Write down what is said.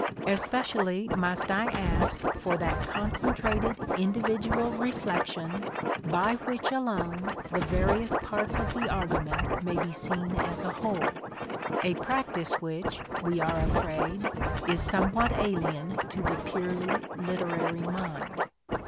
Especially must I ask for that concentrated individual reflection by which alone the various parts of the argument may be seen as a whole : a practice which, we are afraid, is somewhat alien to the purely literary mind.